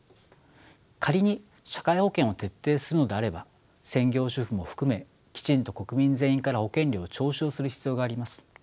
仮に社会保険を徹底するのであれば専業主婦も含めきちんと国民全員から保険料を徴収する必要があります。